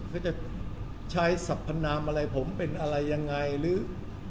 เขาจะใช้สัพพนามอะไรผมเป็นอะไรยังไงหรือ